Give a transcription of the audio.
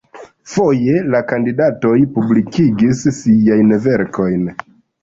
Foje la kandidatoj publikigis siajn verkojn.